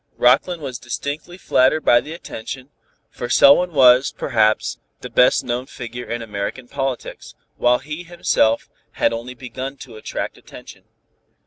Rockland was distinctly flattered by the attention, for Selwyn was, perhaps, the best known figure in American politics, while he, himself, had only begun to attract attention.